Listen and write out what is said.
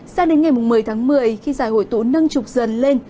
sau đến ngày một mươi tháng một mươi khi dài hội tụ nâng trục dần lên